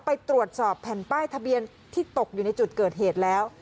ไปตรวจสอบแผ่นป้ายทะเบียนที่ตกอยู่ในจุดเกิดเหตุแล้ว